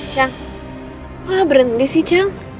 cang kenapa berhenti sih cang